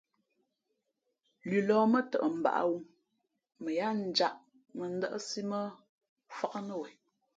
Lʉlɔ̌ mά tαʼ mbǎʼwū mα yáá njāʼ mᾱdάʼsí mά fák nά wen.